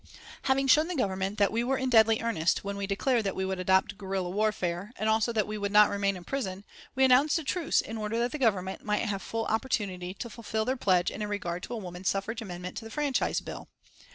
Having shown the Government that we were in deadly earnest when we declared that we would adopt guerrilla warfare, and also that we would not remain in prison, we announced a truce in order that the Government might have full opportunity to fulfil their pledge in regard to a woman suffrage amendment to the Franchise Bill.